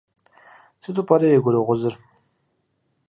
Сыту пӏэрэ и гурыгъузыр?